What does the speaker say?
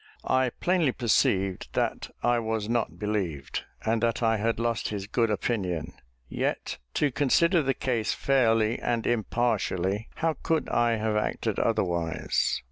I plainly perceived that I was not believed, and that I had lost his good opinion. Yet, to consider the case fairly and impartially, how could I have acted otherwise?